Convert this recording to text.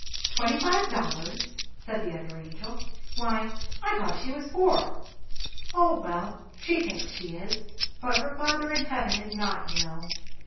"Twenty five dollars!" said the other angel. "Why, I thought she was poor?" "O, well, she thinks she is, but her Father in heaven is not, you know!